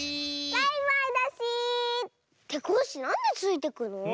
バイバイだし！ってコッシーなんでついていくの？